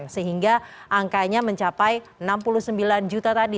sehingga angkanya mencapai enam puluh sembilan juta tadi